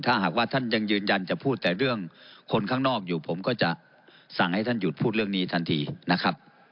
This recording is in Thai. ถ้าหากว่าท่านยังยืนยันจะพูดแต่เรื่องคนข้างนอกอยู่ผมก็จะสั่งให้ท่านหยุดพูดเรื่องนี้ทันทีนะครับ